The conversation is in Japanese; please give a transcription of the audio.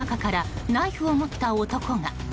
中からナイフを持った男が！